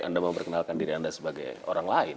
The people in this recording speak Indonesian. anda memperkenalkan diri anda sebagai orang lain